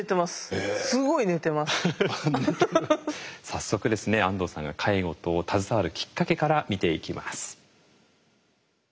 早速ですね安藤さんが介護と携わるきっかけから見ていきます。